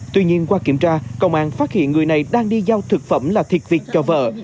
tuy nhiên qua kiểm tra công an phát hiện người này đang đi giao thực phẩm là thiệt việt cho vợ